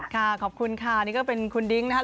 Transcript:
ขอบคุณค่ะนี่ก็เป็นคุณดิ้งนะครับ